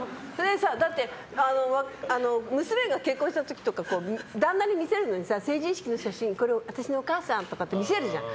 だって娘が結婚した時とか旦那に見せるのに成人式の写真これ私のお母さんとかって見せるじゃん。